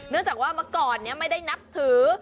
เนื่องจากว่าเมื่อก่อนเนี่ยไม่ได้นับถือ